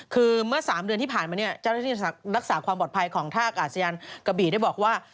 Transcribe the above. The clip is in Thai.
คือเมื่อ๓เดือนที่ผ่านมาเนี่ยเจ้าหน้าที่รักษาความปลอดภัยของท่ากาศยานกระบี่ได้บอกว่า